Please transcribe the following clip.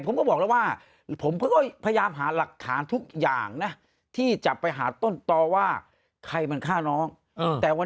ผมคิดว่าคุดเนี่ยคือตาแผ่นดินเราคิดแค่นั้น